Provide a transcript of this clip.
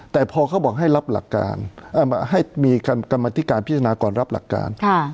แต่พอเขาบอกให้รับหลักการให้มีกรรมธิการพิจารณาก่อนรับหลักการ